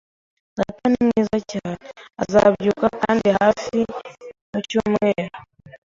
Data ni mwiza cyane. Azabyuka kandi hafi mucyumweru.